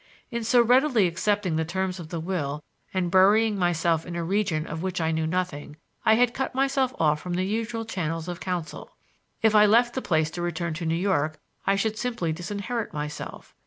In so readily accepting the terms of the will and burying myself in a region of which I knew nothing, I had cut myself off from the usual channels of counsel. If I left the place to return to New York I should simply disinherit myself.